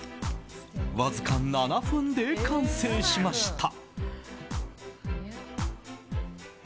わずか７分で完成しました。